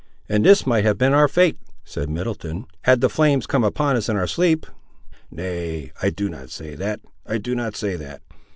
"And this might have been our fate," said Middleton, "had the flames come upon us, in our sleep!" "Nay, I do not say that, I do not say that.